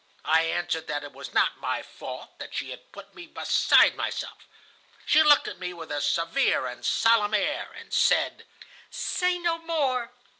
I answered that it was not my fault, that she had put me beside myself. She looked at me with a severe and solemn air, and said: 'Say no more.